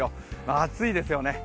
暑いですよね。